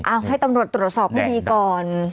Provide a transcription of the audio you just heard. เอาให้ตำรวจตรวจสอบให้ดีก่อน